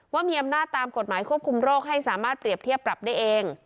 ว่ามีอำนาจตามกฎหมายควบคุมโรคให้สามารถเปรียบเทียบปรับได้เอง